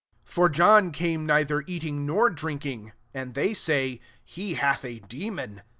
* 18 For John came nei ther eating nor drinking; and they say, *He hath a demon.'